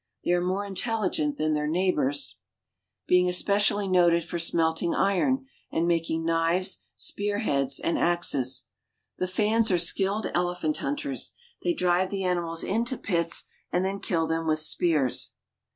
They are more intelligent than their neighbors. 222 AFRICA being especially noted for smelting iron and making knives, spearheads, and axes. The Fans are skilled ele phant hunters. They drive the animals into pits and then kill them with spears.